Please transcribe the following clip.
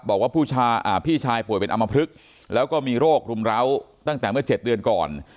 บอกว่าพี่ชายป่วยเป็นอำมพลึกแล้วก็มีโรครุมร้าวตั้งแต่เมื่อ๗เดือนก่อน